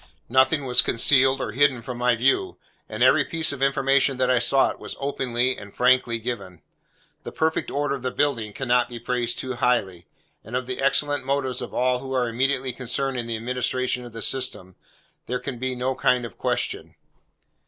Nothing was concealed or hidden from my view, and every piece of information that I sought, was openly and frankly given. The perfect order of the building cannot be praised too highly, and of the excellent motives of all who are immediately concerned in the administration of the system, there can be no kind of question.